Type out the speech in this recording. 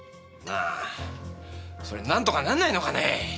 ああそれなんとかなんないのかね。